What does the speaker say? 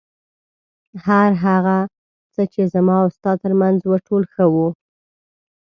هر هغه څه چې زما او ستا تر منځ و ټول ښه وو.